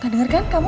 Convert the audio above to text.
gak dengar kan kamu